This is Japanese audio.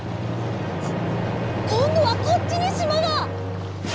こんどはこっちにしまが！